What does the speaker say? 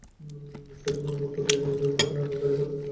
সে তোমার মত দেখতে মেয়েগুলোকে আমার কাছে পাঠাচ্ছিল।